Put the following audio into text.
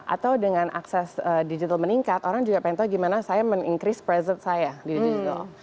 atau dengan akses digital meningkat orang juga ingin tahu gimana saya meningkat present saya di digital